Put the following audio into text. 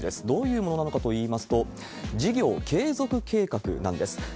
どういうものなのかといいますと、事業継続計画なんです。